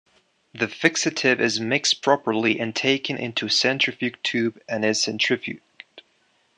The fixative is mixed properly and taken into a centrifuge tube and is centrifuged.